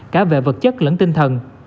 cả về vật chất lẫn tinh thần